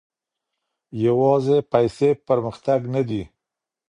يوازي پيسې پرمختګ نه دی.